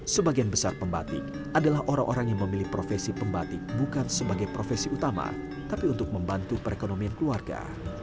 sebagian besar pembatik adalah orang orang yang memilih profesi pembatik bukan sebagai profesi utama tapi untuk membantu perekonomian keluarga